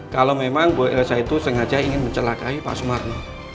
kalau memang bu elsa itu sengaja ingin mencelakai pak sumarni